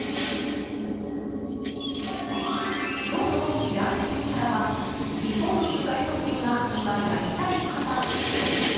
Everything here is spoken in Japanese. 今日のしらべてみたらは日本にいる外国人が今やりたいこと。